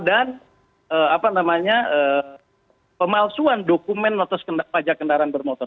dan pemalsuan dokumen notas pajak kendaraan bermotor